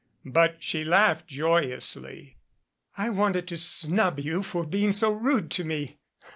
But she laughed joyously. "I wanted to snub you for being so rude to me.